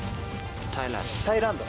タイランド。